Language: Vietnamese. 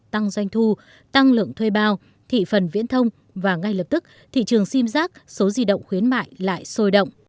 tăng doanh thu tăng lượng thuê bao thị phần viễn thông và ngay lập tức thị trường sim giác số di động khuyến mại lại sôi động